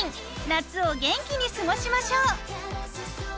夏を元気に過ごしましょう。